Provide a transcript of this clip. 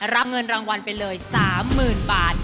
แล้วเงินรางวัลเป็นเลยซ้ำหมื่นบาท